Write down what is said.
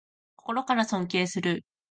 心から尊敬する